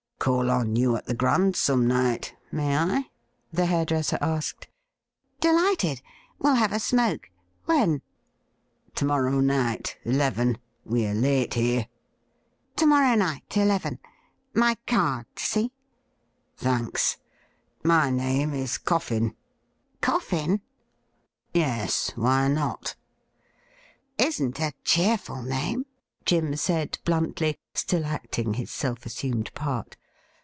' Call on you at the Grand some night — may I .?' the hairdresser asked. ' Delighted ! We'll have a smoke. When .?'' To morrow night, eleven ; we are late here.' ' To morrow night, eleven. My card — see i^' ' Thanks ; my name is Coffin.' 'Coffin.?' ' Yes — why not .'''' Isn't a cheerful name,' Jim said bluntly, still acting his self assumed part.